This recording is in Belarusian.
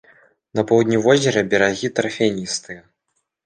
На поўдні возера берагі тарфяністыя.